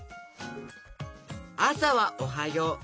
あさは「おはよう」。